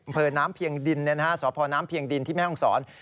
เผลอนะมเพียงดินศพน้ำเพียงดินที่แม่ของสอน